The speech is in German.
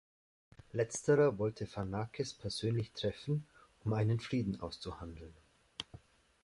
Letzterer wollte Pharnakes persönlich treffen, um einen Frieden auszuhandeln.